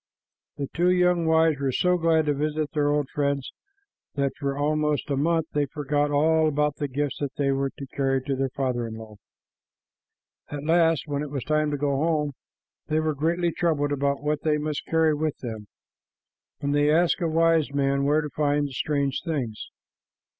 The two young wives were so glad to visit their old friends that for almost a month they forgot all about the gifts that they were to carry to their father in law. At last, when it was time to go home, they were greatly troubled about what they must carry with them, and they asked a wise man where to find the strange things.